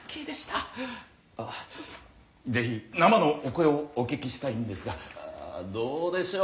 あぜひ生のお声をお聞きしたいんですがどうでしょう？